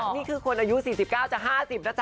นี่คือคนอายุ๔๙จะ๕๐นะจ๊